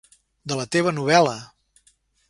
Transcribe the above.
De la teva novel·la!